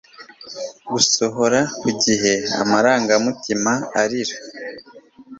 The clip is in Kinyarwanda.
Gusohora ku gihe amarangamutima arira